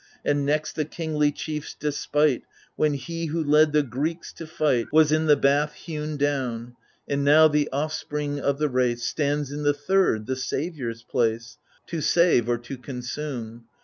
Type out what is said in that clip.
And next the kingly chief's despite, When he who led the Greeks to fight Was in the bath hewn down. And now the offspring of the race Stands in the third, the saviour's place, To save — or to consume